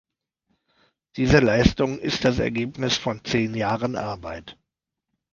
Diese Leistung ist das Ergebnis von zehn Jahren Arbeit.